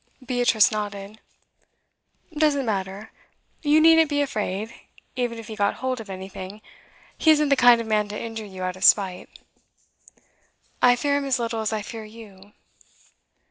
Beatrice nodded. 'Doesn't matter. You needn't be afraid, even if he got hold of anything. He isn't the kind of man to injure you out of spite.' 'I fear him as little as I fear you.